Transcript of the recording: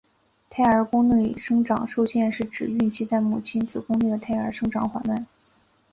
胎儿宫内生长受限是指孕期在母亲子宫内的胎儿生长缓慢。